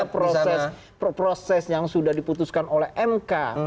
itulah pentingnya proses yang sudah diputuskan oleh mk